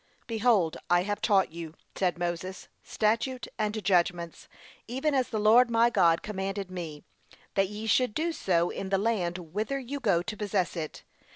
'Behold, I have taught you,' said Moses, 'statute and judgments, even as the Lord my God commanded me; that ye should do so in the land whither you go to possess it.